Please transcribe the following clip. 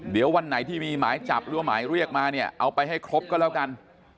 เดี๋ยววันไหนที่มีหมายจับหรือว่าหมายเรียกมาเนี่ยเอาไปให้ครบก็แล้วกัน